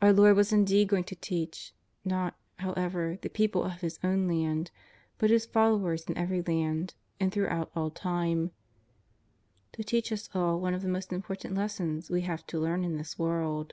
Our Lord was indeed going to teach, not, however, the people of His own land, but His followers in every land and through out all time, to teach us all one of the most important lessons we have to learn in this world.